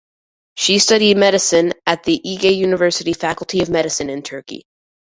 She studied medicine at the Ege University Faculty of Medicine in Turkey.